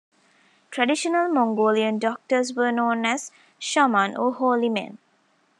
Traditional Mongolian doctors were known as shaman, or holy men.